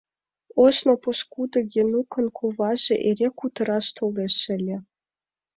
Ожно пошкудо Генукын коваже эре кутыраш толеш ыле.